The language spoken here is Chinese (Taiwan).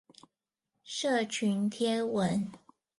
社群貼文